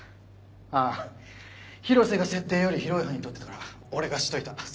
ああ広瀬が設定より広い範囲撮ってたから俺がしといた。